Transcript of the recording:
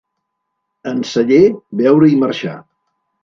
En celler, beure i marxar.